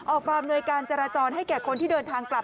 อำนวยการจราจรให้แก่คนที่เดินทางกลับ